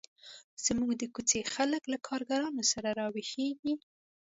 زموږ د کوڅې خلک له کارګرانو سره را ویښیږي.